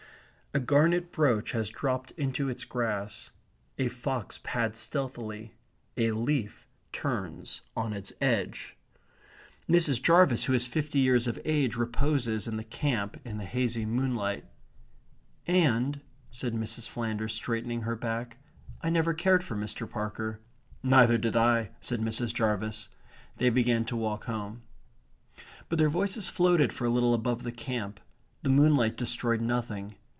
A garnet brooch has dropped into its grass. A fox pads stealthily. A leaf turns on its edge. Mrs. Jarvis, who is fifty years of age, reposes in the camp in the hazy moonlight. "... and," said Mrs. Flanders, straightening her back, "I never cared for Mr. Parker." "Neither did I," said Mrs. Jarvis. They began to walk home. But their voices floated for a little above the camp. The moonlight destroyed nothing.